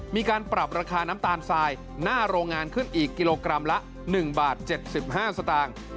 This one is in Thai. มีการปรับราคาน้ำตาลทรายหน้าโรงงานขึ้นอีกกิโลกรัมละ๑บาท๗๕สตางค์